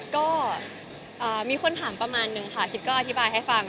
ก็มีคนถามประมาณนึงค่ะคิดก็อธิบายให้ฟัง